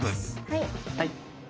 はい。